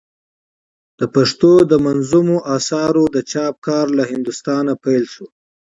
د پښتو دمنظومو آثارو د چاپ کار له هندوستانه پيل سو.